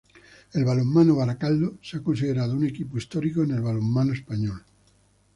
El Balonmano Barakaldo se ha considerado un equipo histórico en el balonmano Español.